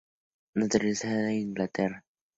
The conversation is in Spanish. Naturalizada en Inglaterra.